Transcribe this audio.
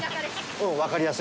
うん、分かりやすい。